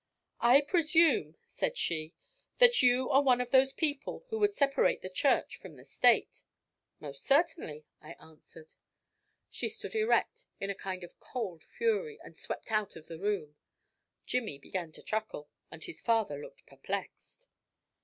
"I presume," said she, "that you are one of those people who would separate the Church from the State?" "Most certainly," I answered. She stood erect in a kind of cold fury, and swept out of the room. Jimmy began to chuckle, and his father looked perplexed.